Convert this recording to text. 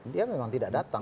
dia memang tidak datang